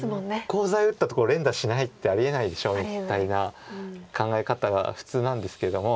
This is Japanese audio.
コウ材打ったところ連打しないってありえないでしょみたいな考え方が普通なんですけれども。